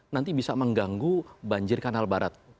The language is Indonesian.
nanti bisa mengganggu banjir kanal barat